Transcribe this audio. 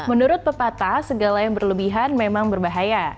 menurut pepatah segala yang berlebihan memang berbahaya